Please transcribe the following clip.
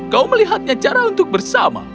kau melihatnya cara untuk bersama